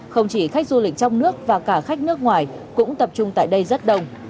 không chỉ khách du lịch trong nước và cả khách nước ngoài cũng tập trung tại đây rất đông